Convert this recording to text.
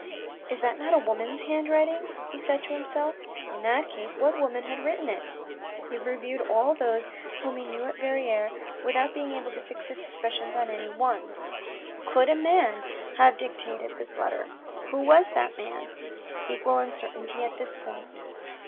" Is that not a woman's handwriting?" he said to himself. In that case, what woman had written it? He reviewed all those whom he knew at Verrieres without DIALOGUE WITH A MASTER 129 being able to fix his suspicions on any one. Could a man have dictated that letter ? Who was that man ? Equal uncertainty on this point.